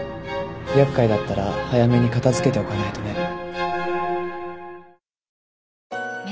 厄介だったら早めに片付けておかないとね。